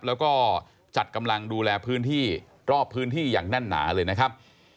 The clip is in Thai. แล้วก็จัดกำลังดูแลพื้นที่รอบพื้นที่อย่างแน่นหนาเลยนะครับ